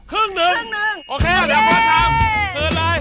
ครึ่งหนึ่งโอเคเดี๋ยวพอทำคืนเลย